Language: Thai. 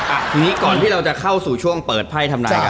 อันนี้ก่อนที่เราจะเข้าสู่ช่วงเปิดไผ้ทำราค่ะ